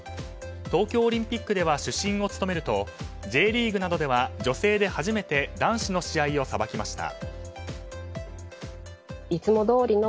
東京オリンピックでは主審を務めるとＪリーグなどでは女性で初めて男子の試合を裁きました。